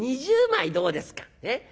２０枚どうですか？